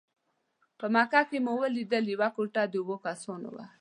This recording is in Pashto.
په مکه کې مو ولیدل یوه کوټه د اوو کسانو وه.